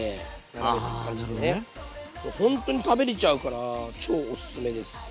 あなるほどね。ほんとに食べれちゃうから超おすすめです。